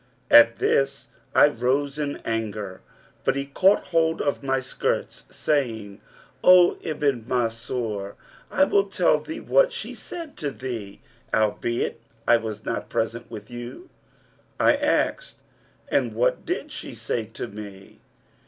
At this I rose in anger; but he caught hold of my skirts, saying, 'O Ibn Mansur, I will tell thee what she said to thee, albeit I was not present with you.' I asked, 'And what did she say to me?'